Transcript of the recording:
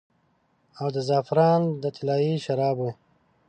او د زعفران د طلايي شرابو